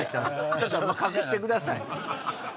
ちょっと隠してください。